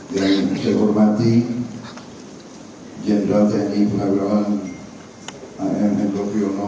yang saya hormati general tni pak hidrohan am hendo piono